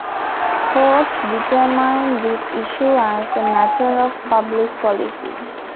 Courts determine this issue as a matter of public policy.